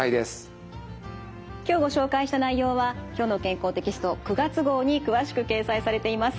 今日ご紹介した内容は「きょうの健康」テキスト９月号に詳しく掲載されています。